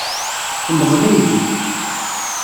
Temḍel aydi.